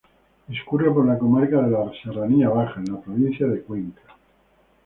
Discurre por la comarca de la Serranía Baja, en la provincia de Cuenca.